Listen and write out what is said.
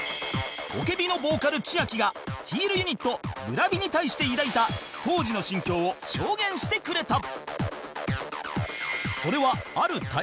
ポケビのボーカル千秋がヒールユニットブラビに対して抱いた当時の心境を証言してくれた